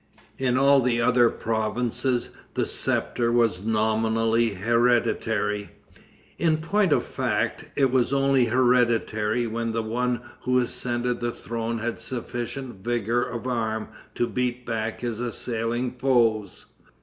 In all the other provinces the scepter was nominally hereditary. In point of fact, it was only hereditary when the one who ascended the throne had sufficient vigor of arm to beat back his assailing foes.